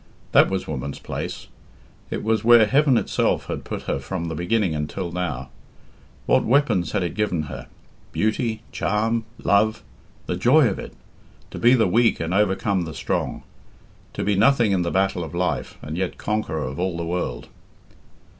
That was woman's place. It was where heaven itself had put her from the beginning until now. What weapons had it given her! Beauty! Charm! Love! The joy of it! To be the weak and overcome the strong! To be nothing in the battle of life, and yet conqueror of all the world!